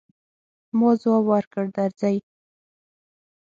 ما ځواب ورکړ، درځئ.